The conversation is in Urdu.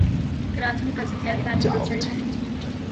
کراچی میں کل سے غیراعلانیہ لوڈشیڈنگ نہیں ہوگی